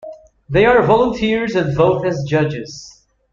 They are volunteers and vote as judges.